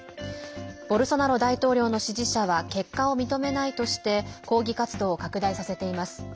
ボルソナロ大統領の支持者は結果を認めないとして抗議活動を拡大させています。